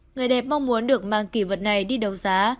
người đẹp mong muốn được mang kỳ vật này đi đấu giá